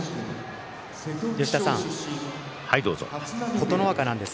琴ノ若です。